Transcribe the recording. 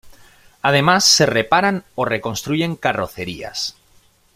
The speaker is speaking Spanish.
Además se reparan o reconstruyen carrocerías.